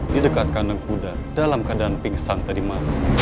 didekatkan dengan kuda dalam keadaan pingsan terima